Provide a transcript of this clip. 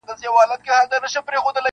څوك به غوږ نيسي نارو ته د بې پلارو-